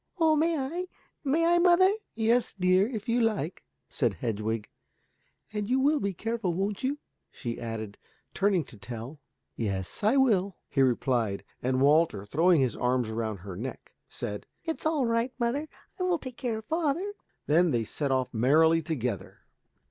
"Oh, may I? May I, mother?" "Yes, dear, if you like," said Hedwig. "And you will be careful, won't you?" she added, turning to Tell. "Yes, I will," he replied, and Walter, throwing his arms round her neck, said, "It's all right, mother, I will take care of father." Then they set off merrily together.